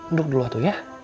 duduk dulu atuh ya